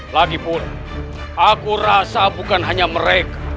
lagipun aku rasa bukan hanya mereka